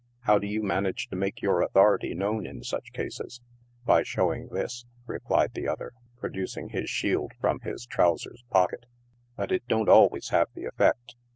" How do you manage to make your authority known in such cases ?"" By showing this," replied the officer, producing his shield from his trousers pocket 5 " but it don't always have the effect.